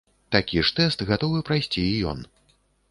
Такі ж тэст гатовы прайсці і ён.